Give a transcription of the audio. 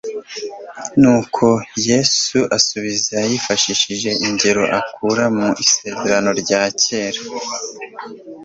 nuko Yesu asubiza yifashishije ingero akura mu Isezerano rya Kera,